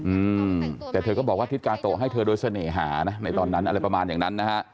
อืมแต่เธอก็บอกว่าทิศกาโตะให้เธอโดยเสน่หานะในตอนนั้นอะไรประมาณอย่างนั้นนะฮะ